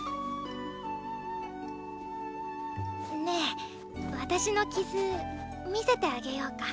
ねえ私の傷見せてあげよーか。